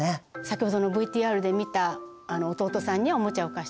先ほどのＶＴＲで見た弟さんにおもちゃを貸してあげる。